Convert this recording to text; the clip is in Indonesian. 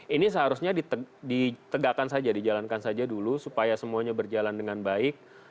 ini seharusnya ditegakkan saja dijalankan saja dulu supaya semuanya berjalan dengan baik